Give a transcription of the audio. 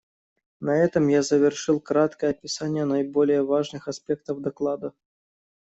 На этом я завершил краткое описание наиболее важных аспектов доклада.